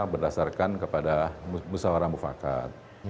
berdasarkan kepada musawarah mufakat